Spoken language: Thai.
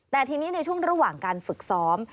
แต่ทีนี้ในช่วงระหว่างการฝึกซ้อม